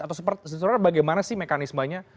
atau seperti suratnya bagaimana sih mekanismenya